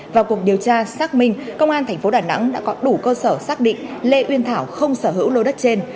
vào cuộc điều tra xác minh công an tp đà nẵng đã có đủ cơ sở xác định lê uyên thảo không sở hữu lô đất trên